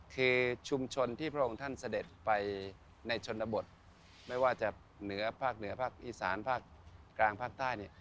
คือชุมชนที่พระองค์ท่านเสด็จไปในชนบทไม่ว่าจะเหนือภาคเหนือภาคอีสานภาคกลางภาคใต้เนี่ย